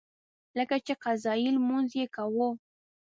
لکه چې قضایي لمونځ یې کاوه.